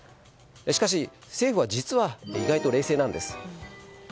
しかし、政府は実は意外と冷静なんです。